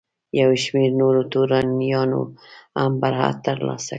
یو شمېر نورو توریانو هم برائت ترلاسه کړ.